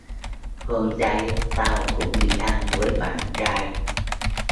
hôm đáy tao cũng đi ăn với bạn trai